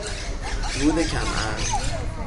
رود کم عرض